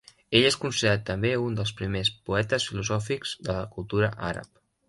Ell és considerat també un dels primer poetes filosòfics de la cultura àrab.